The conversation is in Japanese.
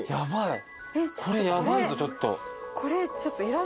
これヤバいぞちょっと。